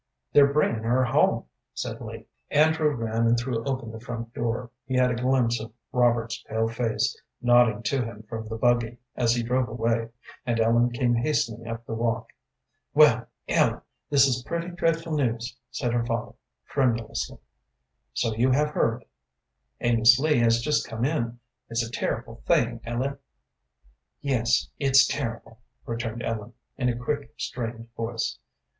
"They're bringin' her home," said Lee. Andrew ran and threw open the front door. He had a glimpse of Robert's pale face, nodding to him from the buggy as he drove away, and Ellen came hastening up the walk. "Well, Ellen, this is pretty dreadful news," said her father, tremulously. "So you have heard?" "Amos Lee has just come in. It's a terrible thing, Ellen." "Yes, it's terrible," returned Ellen, in a quick, strained voice.